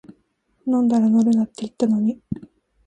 飲んだら乗るなって言ったのに